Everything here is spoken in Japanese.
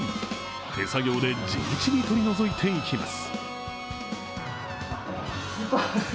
手作業で地道に取り除いていきます。